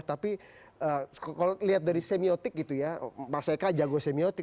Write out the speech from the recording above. tapi kalau lihat dari semiotik gitu ya mas eka jago semiotik